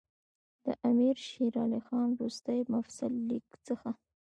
د امیر شېر علي خان وروستي مفصل لیک څخه.